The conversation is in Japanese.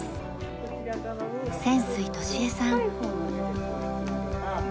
泉水俊江さん。